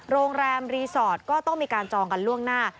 โรงแรมรีสอร์ทก็ต้องมีการจองกันล่วงหน้า